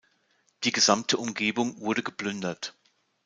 Die gesamte Umgebung wurde geplündert.